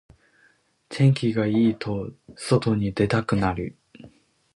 天気がいいと外に出たくなる